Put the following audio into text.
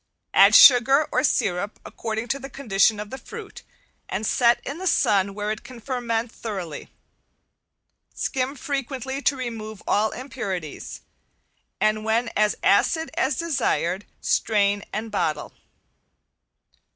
Add sugar or sirup, according to the condition of the fruit, and set in the sun where it can ferment thoroughly. Skim frequently to remove all impurities, and when as acid as desired, strain and bottle.